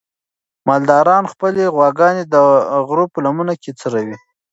مالداران خپلې غواګانې د غره په لمنه کې څروي.